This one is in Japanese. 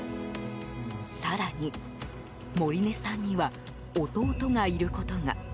更に、盛根さんには弟がいることが。